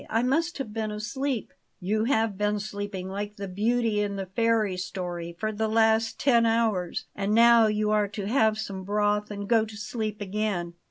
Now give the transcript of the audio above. I must have been asleep." "You have been sleeping like the beauty in the fairy story for the last ten hours; and now you are to have some broth and go to sleep again."